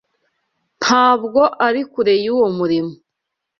Ntabwo ari kure yuwo murimo.